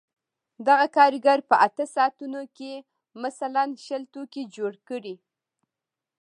دغه کارګر په اته ساعتونو کې مثلاً شل توکي جوړ کړي